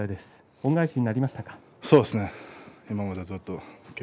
恩返しになりましたか。